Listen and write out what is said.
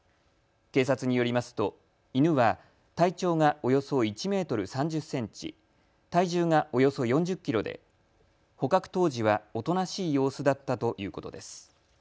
警察によりますと犬は体長がおよそ１メートル３０センチ、体重がおよそ４０キロで捕獲当時はおとなしい様子だったということです。